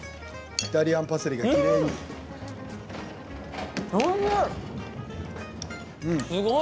イタリアンパセリがきれい。